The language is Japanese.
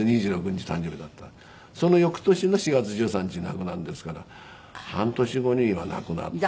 その翌年の４月１３日に亡くなるんですから半年後には亡くなって。